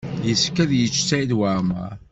Yessefk ad yečč Saɛid Waɛmaṛ.